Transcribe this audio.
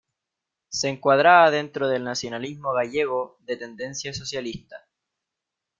Se encuadraba dentro del nacionalismo gallego de tendencia socialista.